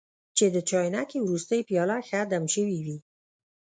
چې د چاینکې وروستۍ پیاله ښه دم شوې وي.